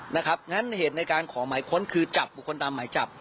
งั้นเหตุในการขอหมายค้นคือจับบุคคลตามหมายจับ